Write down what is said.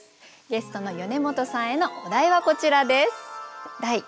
ゲストの米本さんへのお題はこちらです。